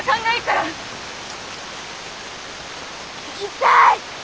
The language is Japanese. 痛い。